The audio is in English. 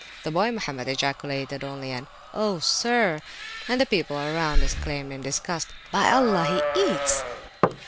The boy Mohammed ejaculated only an Oh, sir! and the people around exclaimed in disgust, By Allah, he eats!